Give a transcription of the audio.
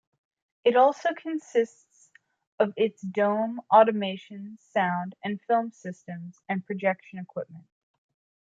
It also consists of its dome, automation, sound and film systems, and projection equipment.